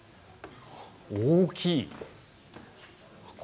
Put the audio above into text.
大きい。